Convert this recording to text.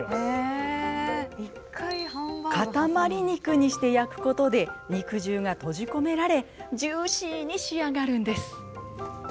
塊肉にして焼くことで肉汁が閉じ込められジューシーに仕上がるんです。